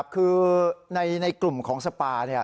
คือในกลุ่มของสปา